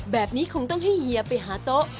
แบบนี้คงต้องให้เฮียไปหาโต๊ะ